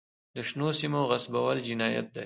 د شنو سیمو غصبول جنایت دی.